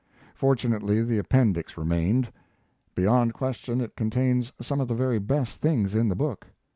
Fortunately the appendix remained. Beyond question it contains some of the very best things in the book.